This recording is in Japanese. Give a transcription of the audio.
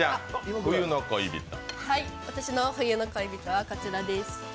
私の冬の恋人はこちらです。